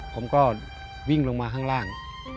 ผมก็วิ่งลงมาข้างล่าง